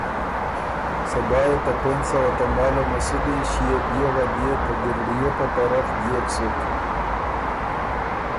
صبا يې ته پېنځ سوه تماله مسودی ݭيې بيې غدئے ته ګِنرړئے په طرف ديېک سُک۔